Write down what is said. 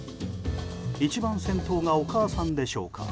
一番先頭がお母さんでしょうか。